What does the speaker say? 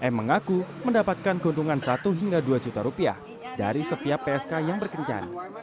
m mengaku mendapatkan keuntungan satu hingga dua juta rupiah dari setiap psk yang berkencan